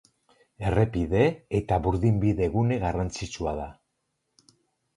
Errepide- eta burdinbide-gune garrantzitsua da.